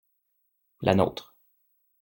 La nôtre.